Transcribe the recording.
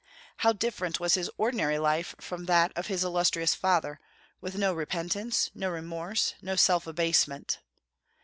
How different was his ordinary life from that of his illustrious father, with no repentance, no remorse, no self abasement!